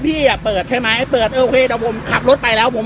พี่อ่ะเปิดใช่ไหมเปิดโอเคแต่ผมขับรถไปแล้วผม